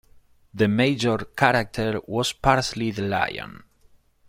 The major character was Parsley the Lion.